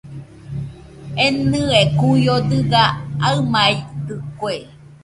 Enɨe kuio dɨga aɨmaitɨkue.